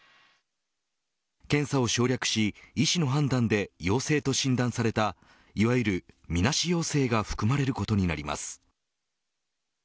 検査を省略し医師の判断で陽性と診断されたいわゆる、みなし陽性が含まれることになります。